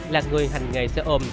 là người hành nghề xe ôm